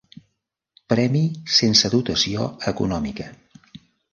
Premi sense dotació econòmica.